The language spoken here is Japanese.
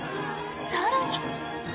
更に。